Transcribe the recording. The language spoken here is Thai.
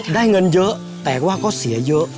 ได้เงินเยอะแต่ว่าก็เสียเยอะ